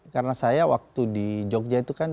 karena saya waktu di jogja itu kan